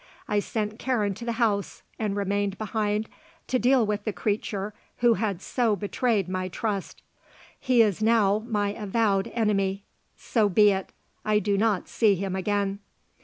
I sent Karen to the house and remained behind to deal with the creature who had so betrayed my trust. He is now my avowed enemy. So be it. I do not see him again.